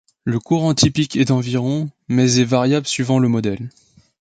Le courant typique est d'environ mais est variable suivant le modèle.